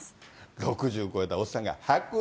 ６０超えたおっさんが剥奪？